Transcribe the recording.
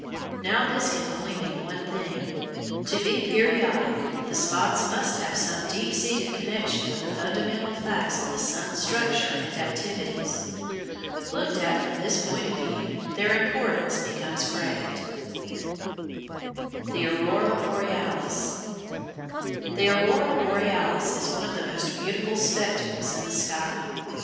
Now this can only mean one thing. To be periodic the spots must have some deep seated connection with the fundamental facts of the sun's structure and activities. Looked at from this point of view their importance becomes great. [Illustration: Reproduction from "The Forces of Nature" (Messrs. Macmillan) THE AURORA BOREALIS The aurora borealis is one of the most beautiful spectacles in the sky.